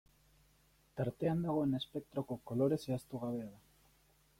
Tartean dagoen espektroko kolore zehaztu gabea da.